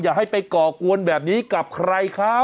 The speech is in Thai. อย่าให้ไปก่อกวนแบบนี้กับใครเขา